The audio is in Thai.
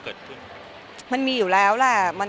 เนื้อหาดีกว่าน่ะเนื้อหาดีกว่าน่ะ